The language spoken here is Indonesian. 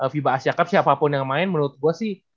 fiba asia cup siapapun yang main menurut gue sih